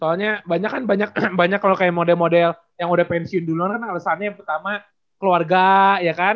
soalnya banyak kan banyak kalau kayak model model yang udah pensiun dulu kan alesannya yang pertama keluarga ya kan